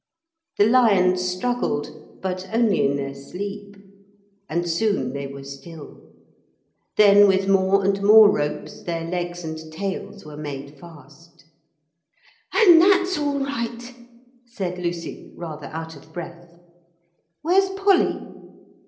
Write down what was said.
The lions struggled, but only in their sleep. And soon they were still. Then with more and more ropes their legs and tails were made fast. 'And that's all right,' said Lucy, rather out of breath. 'Where's Polly?'